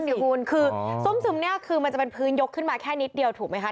นี่คุณคือส้มซึมเนี่ยคือมันจะเป็นพื้นยกขึ้นมาแค่นิดเดียวถูกไหมคะ